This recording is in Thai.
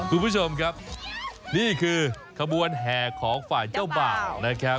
คุณผู้ชมครับนี่คือขบวนแห่ของฝ่ายเจ้าบ่าวนะครับ